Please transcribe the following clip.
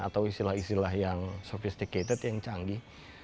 atau istilah istilah yang sophisticated yang canggih